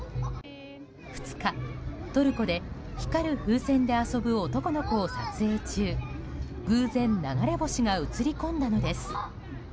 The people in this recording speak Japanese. ２日、トルコで光る風船で遊ぶ男の子の撮影中偶然、流れ星が映り込んだのです。